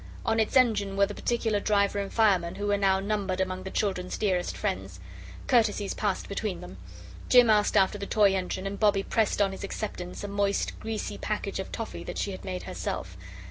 On its engine were the particular driver and fireman who were now numbered among the children's dearest friends. Courtesies passed between them. Jim asked after the toy engine, and Bobbie pressed on his acceptance a moist, greasy package of toffee that she had made herself.